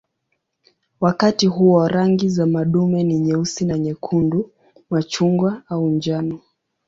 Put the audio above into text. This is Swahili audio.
Wakati huo rangi za madume ni nyeusi na nyekundu, machungwa au njano.